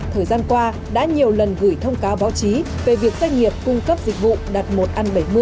thời gian qua đã nhiều lần gửi thông cáo báo chí về việc doanh nghiệp cung cấp dịch vụ đặt một ăn bảy mươi